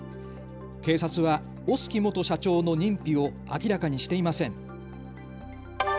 警察は小薄元社長の認否を明らかにしていません。